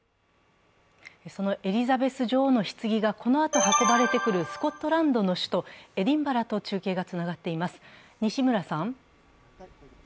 そのエリザベス女王のひつぎがこのあと運ばれてくるスコットランドの首都、エディンバラと中継がつながっています。